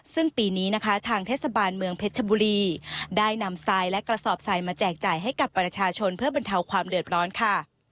ซึ่งปีนี้นะคะทางเทศบาลเมืองเพชรชบุรีได้นำทรายและกระสอบทรายมาแจกจ่ายให้กับประชาชนเพื่อบรรเทาความเดือดร้อนค่ะ